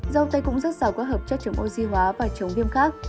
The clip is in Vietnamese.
dâu tây cũng rất giàu có hợp chất chống oxy hóa và chống viêm khác